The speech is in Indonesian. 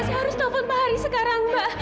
saya harus telepon pak hari sekarang mbak